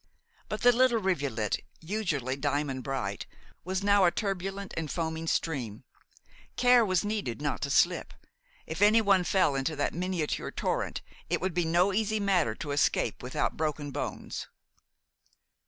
But the little rivulet, usually diamond bright, was now a turbulent and foaming stream. Care was needed not to slip. If anyone fell into that miniature torrent, it would be no easy matter to escape without broken bones.